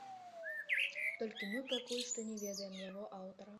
Толькі мы пакуль што не ведаем яго аўтара.